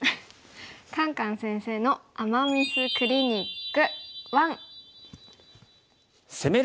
「カンカン先生の“アマ・ミス”クリニック１」。